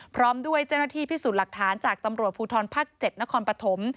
พร้อมด้วยเจ้าหน้าที่พิสูจน์หลักฐานจากตำรวจภูทรภาค๗นครปฐม